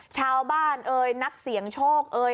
ชาวบ้านเอ้ยนักเสียงโชกเอ้ย